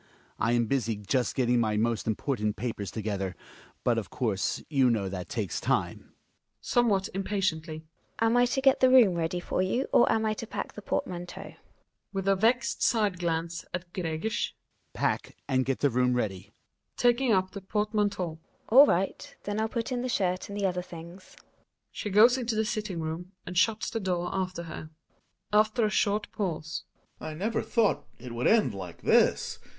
I am busy just getting my most important papers together. But, of course, you know that takes time. Gina (somewhat impatiently). Am I to get the room ready for you, or am I to pack the portmanteau ? Hjalmar (unth a vexed side glance at Gregers). Pack — and get the room ready ! Gina (taking up the portmanteau). All right, then I'll put in the shirt and the other things. She goes into the sitting room and shuts the door after her, Gregers (after a short pause). I never thought it would end like this.